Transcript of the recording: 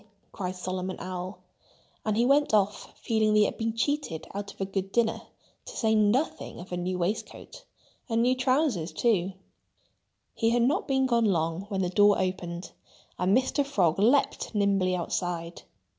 cried Solomon Owl. And he went off feeling that he had been cheated out of a good dinner—to say nothing of a new waistcoat—and new trousers, too. He had not been gone long when the door opened. And Mr. Frog leaped nimbly outside.